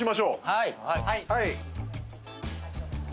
はい！